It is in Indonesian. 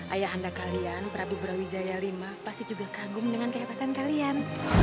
ayah anda kalian prabu brawijaya v pasti juga kagum dengan kehebatan kalian